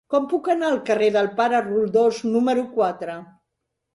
Com puc anar al carrer del Pare Roldós número quatre?